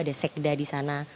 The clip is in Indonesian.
ada sekda di sana